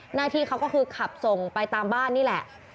หน้าที่เขาก็คือขับส่งไปตามบ้านนี่แหละ